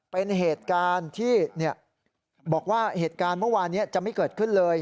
เป็นเหตุการณ์ที่บอกว่าเหตุการณ์เมื่อวานนี้จะไม่เกิดขึ้นเลย